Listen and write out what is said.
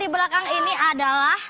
di belakang ini adalah